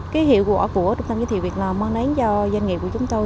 cái hiệu quả của trung tâm dịch vụ việc làm mang đến do doanh nghiệp của chúng tôi